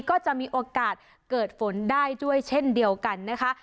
ก็จะมีโอกาสเกิดฝนได้ด้วยเช่นเดียวกันนะคะ